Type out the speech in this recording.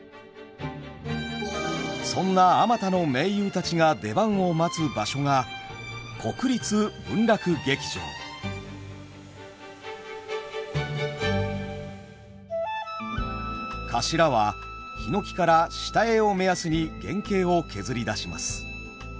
そんな数多の「名優」たちが出番を待つ場所がかしらは檜から下絵を目安に原型を削り出します。